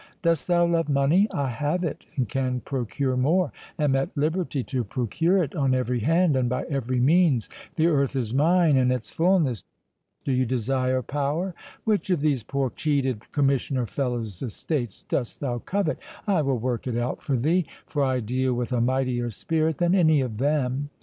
Dost thou love money?—I have it, and can procure more—am at liberty to procure it on every hand, and by every means—the earth is mine and its fulness. Do you desire power?—which of these poor cheated commissioner fellows' estates dost thou covet, I will work it out for thee; for I deal with a mightier spirit than any of them.